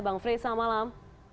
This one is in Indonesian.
bang frits selamat malam